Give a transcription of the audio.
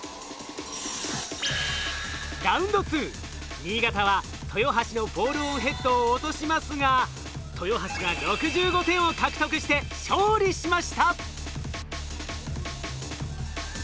ラウンド２新潟は豊橋のボールオンヘッドを落としますが豊橋が６５点を獲得して勝利しました。